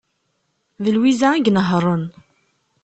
D Lwiza ay inehhṛen.